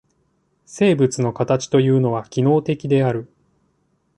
生物の形というのは機能的である。